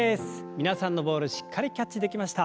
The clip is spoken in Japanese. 皆さんのボールしっかりキャッチできました。